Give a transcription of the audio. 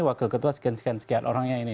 wakil ketua sekian sekian sekian orangnya ini